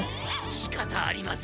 しかたありません。